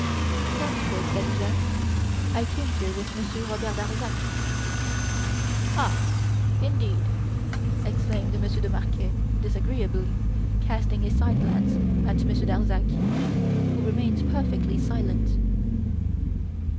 "Don't scold Daddy Jacques, I came here with Monsieur Robert Darzac." "Ah, Indeed!" exclaimed Monsieur de Marquet, disagreeably, casting a side glance at Monsieur Darzac, who remained perfectly silent.